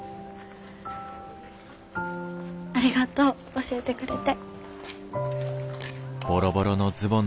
ありがとう教えてくれて。